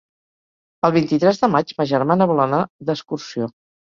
El vint-i-tres de maig ma germana vol anar d'excursió.